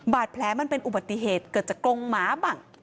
บาดแผลมันเป็นอุบัติเหตุเกิดจากกรงหมาบ้าง